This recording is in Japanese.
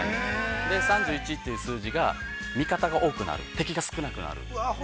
３１という数字が味方が多くなる敵が少なくなる。